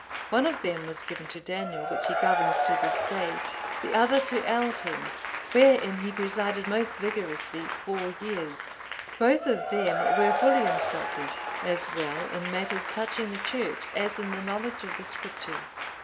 (872) One of them was given to Daniel,(873) which he governs to this day; the other to Aldhelm, wherein he presided most vigorously four years; both of them were fully instructed, as well in matters touching the Church as in the knowledge of the Scriptures.